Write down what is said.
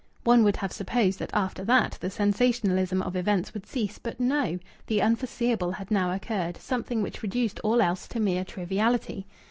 One would have supposed that after that the sensationalism of events would cease. But, no! The unforeseeable had now occurred, something which reduced all else to mere triviality.